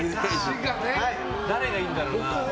他に誰がいるんだろうな。